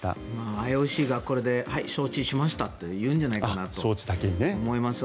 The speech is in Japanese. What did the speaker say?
ＩＯＣがこれではい、承知しましたと言うんじゃないかと思いますね。